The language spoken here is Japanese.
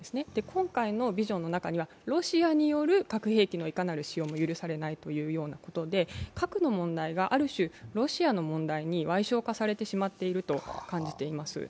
今回のビジョンの中にはロシアによる核兵器のいかなる使用も許されないと核の問題がある種、ロシアの問題に矮小化されてしまっていると感じています。